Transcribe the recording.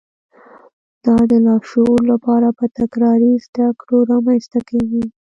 دا د لاشعور لپاره په تکراري زده کړو رامنځته کېږي